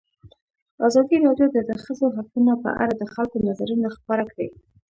ازادي راډیو د د ښځو حقونه په اړه د خلکو نظرونه خپاره کړي.